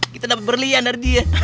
kita dapat berliandar dia